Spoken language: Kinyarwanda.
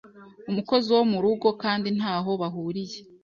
umukozi wo mu rugo kandi ntaho bahuriye